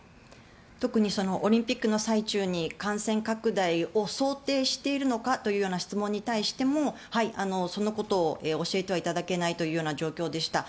特にオリンピックの最中に感染拡大を想定しているのかというような質問に対してもそのことを教えていただけないという状況でした。